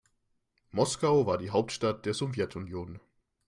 Moskau war die Hauptstadt der Sowjetunion.